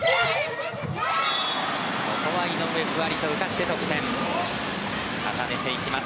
ここは井上ふわりと浮かせて得点を重ねていきます。